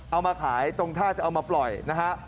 เอามาขายตรงท่าจะเอามาปล่อยนะฮะ